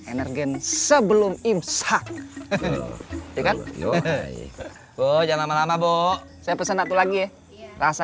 energen sebelum imsak ya kan oh jangan lama lama bu saya pesan satu lagi rasa